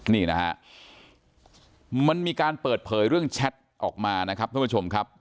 นี่นะฮะมันมีการเปิดเผยเรื่องแชทออกมานะครับท่านผู้ชมครับ